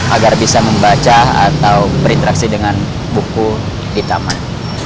agar bisa membaca atau berinteraksi dengan buku di taman